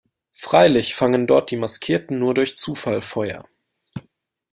Freilich fangen dort die Maskierten nur durch Zufall Feuer.